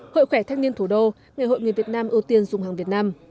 hội khỏe thanh niên thủ đô ngày hội người việt nam ưu tiên dùng hàng việt nam